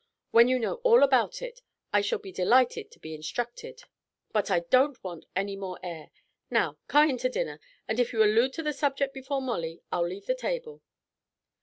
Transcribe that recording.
When you know all about it, I shall be delighted to be instructed. But I don't want any more air. Now come in to dinner, and if you allude to the subject before Molly, I'll leave the table."